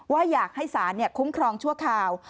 ว่าอยากให้ศาลคุ้มครองชั่วคราว